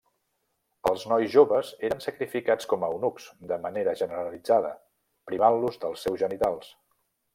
Els nois joves eren sacrificats com a eunucs de manera generalitzada, privant-los dels seus genitals.